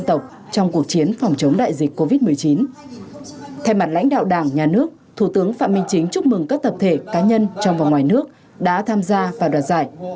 thay mặt lãnh đạo đảng nhà nước thủ tướng phạm minh chính chúc mừng các tập thể cá nhân trong và ngoài nước đã tham gia vào đoạt giải